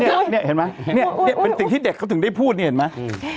เนี่ยเห็นมั้ยเป็นสิ่งที่เด็กเขาถึงได้พูดเนี่ยเห็นมั้ย